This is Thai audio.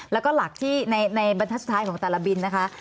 แล้วก็หลักที่ในบรรทัศน์สุดท้ายของแต่ละบินนะคะ